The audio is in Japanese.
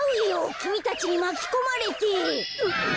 きみたちにまきこまれて。